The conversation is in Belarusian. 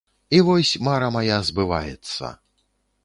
І вось мара мая збываецца.